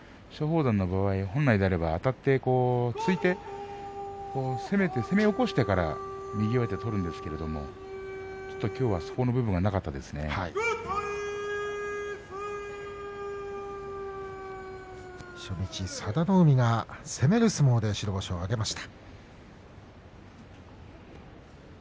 松鳳山の場合、本来であればあたって突いていく攻めて攻め起こしてから右上手を取るんですがきょうはちょっとその部分が初日、佐田の海が攻める相撲で白星を挙げました。